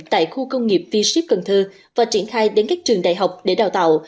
tại khu công nghiệp v ship cần thơ và triển khai đến các trường đại học để đào tạo